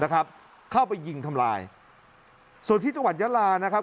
เข้าไปยิงทำลายส่วนที่จังหวัดยาลานะครับ